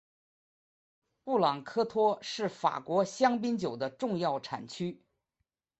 布朗科托是法国香槟酒的重要产区。